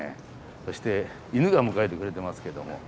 そして犬が迎えてくれてますけども。